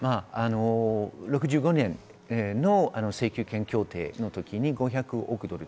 ６５年の請求権協定のときに、５００億ドル。